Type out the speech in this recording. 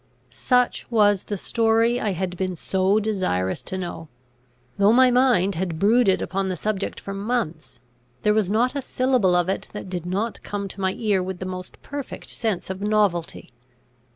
Such was the story I had been so desirous to know. Though my mind had brooded upon the subject for months, there was not a syllable of it that did not come to my ear with the most perfect sense of novelty.